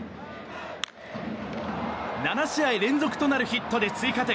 ７試合連続となるヒットで追加点。